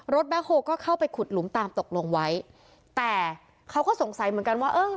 แบ็คโฮก็เข้าไปขุดหลุมตามตกลงไว้แต่เขาก็สงสัยเหมือนกันว่าเออ